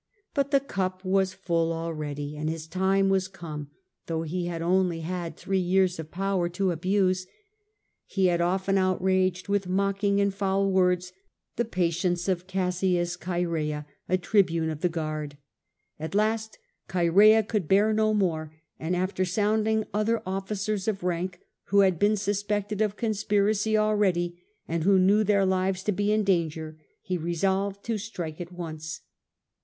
But the cup was full already, and his time was come, though he had only had three years of power to abuse. He had often outraged with mocking and foul words the patience of Cassius Chcerea, a tribune of the guard. At last Choerea could bear no more, and after sounding other officers of rank, who had been suspected of conspiracy already, and who knew their lives to be in danger, he resolved to strike at once.